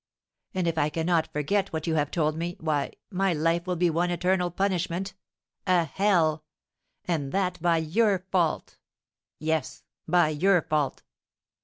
And if I cannot forget what you have told me, why, my life will be one eternal punishment, a hell, and that by your fault! Yes, by your fault!"